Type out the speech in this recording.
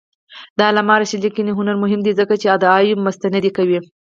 د علامه رشاد لیکنی هنر مهم دی ځکه چې ادعاوې مستندې کوي.